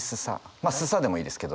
まあ「すさ」でもいいですけど。